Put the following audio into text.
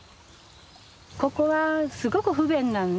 ここはすごく不便なのね。